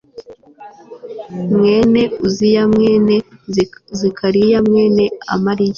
mwene uziya mwene zekariya mwene amariya